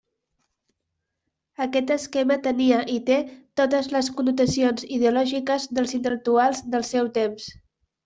Aquest esquema tenia i té totes les connotacions ideològiques dels intel·lectuals del seu temps.